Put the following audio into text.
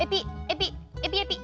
エピエピ！